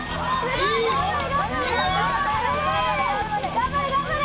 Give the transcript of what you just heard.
頑張れ頑張れ！